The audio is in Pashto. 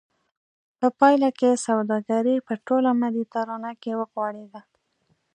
په پایله کې سوداګري په ټوله مدیترانه کې وغوړېده